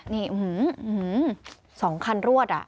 นี่อื้อหือสองคันรวดอะ